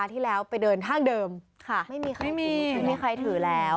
ที่แล้วไปเดินห้างเดิมค่ะไม่มีใครมีไม่มีใครถือแล้ว